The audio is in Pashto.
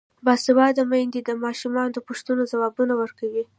باسواده میندې د ماشومانو د پوښتنو ځوابونه ورکوي.